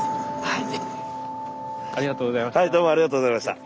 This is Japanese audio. はいどうもありがとうございました。